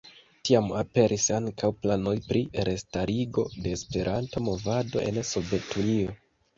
Tiam aperis ankaŭ planoj pri restarigo de Esperanto-movado en Sovetunio.